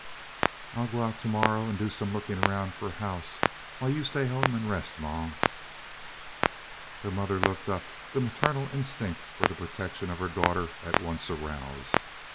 "I 'll go out to morrow and do some looking around for a house while you stay at home an' rest, ma." Her mother looked up, the maternal instinct for the protection of her daughter at once aroused.